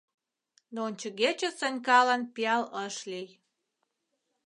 Но ончыгече Санькалан пиал ыш лий.